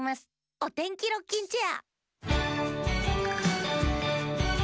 「おてんきロッキンチェア」